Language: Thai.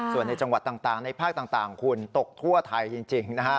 ส่วนในจังหวัดต่างในภาคต่างคุณตกทั่วไทยจริงนะฮะ